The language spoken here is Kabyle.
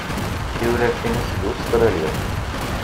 Tiwlafin-a seg Ustṛalya.